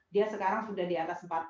dia sekarang sudah di atas empat puluh